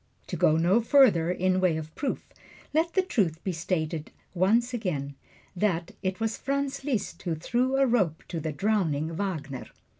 To go no further in way of proof, let the truth be stated yet once again, that it was Franz Liszt who threw a rope to the drowning Wagner.